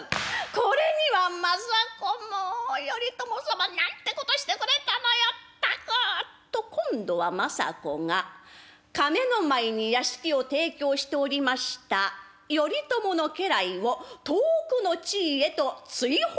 これには政子「もう頼朝様なんてことしてくれたのよったく！」と今度は政子が亀の前に屋敷を提供しておりました頼朝の家来を遠くの地へと追放しちゃったのでありました。